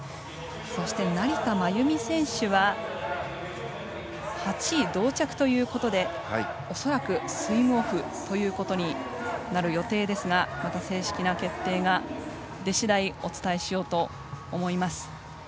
そして成田真由美選手は８位、同着ということで恐らくスイムオフとなる予定ですがまた正式な決定が出次第お伝えしようと思います。